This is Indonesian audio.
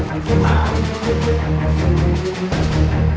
aku akan membunuhmu